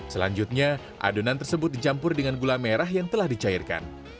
selanjutnya adonan tersebut dicampur dengan gula merah yang telah dicairkan